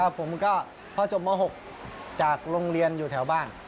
ครับผมก็พ่อจบเมื่อ๖จากโรงเรียนอยู่แถวบ้าน